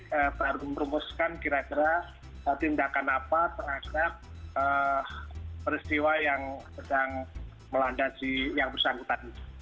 tim etik perlu diperhubungkan kira kira tindakan apa terhadap peristiwa yang sedang melanda si yang bersangkutan